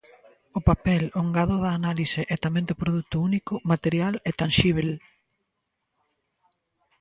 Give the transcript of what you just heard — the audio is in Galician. O papel, o engado da análise e tamén do produto único, material e tanxíbel.